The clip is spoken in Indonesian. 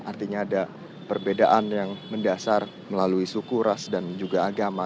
artinya ada perbedaan yang mendasar melalui suku ras dan juga agama